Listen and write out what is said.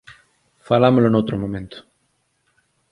Falámolo noutro momento